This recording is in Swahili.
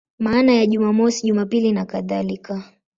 Maana ya Jumamosi, Jumapili nakadhalika.